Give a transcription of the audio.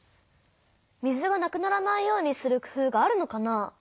水がなくならないようにするくふうがあるのかな？